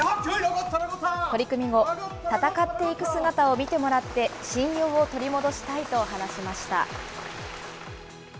取組後、戦っていく姿を見てもらって、信用を取り戻したいと話しました。